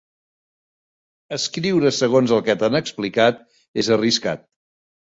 Escriure segons el que t'han explicat és arriscat.